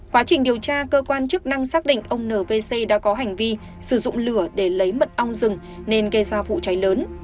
quá trình điều tra cơ quan chức năng xác định ông nvc đã có hành vi sử dụng lửa để lấy mật ong rừng nên gây ra vụ cháy lớn